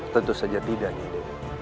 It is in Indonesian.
tentu saja tidak nid